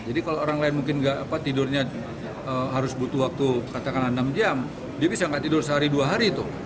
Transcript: jadi kalau orang lain mungkin tidak tidurnya harus butuh waktu katakanlah enam jam dia bisa tidak tidur sehari dua hari itu